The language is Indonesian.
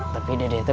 tapi dede belum ketemu